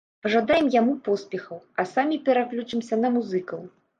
Пажадаем яму поспехаў, а самі пераключымся на музыкаў.